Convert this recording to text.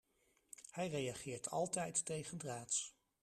Hij reageert altijd tegendraads.